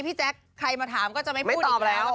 พี่แจ๊คใครมาถามก็จะไม่พูดตอบแล้ว